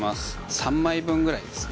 ３枚分ぐらいですね